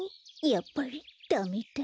やっぱりダメだ。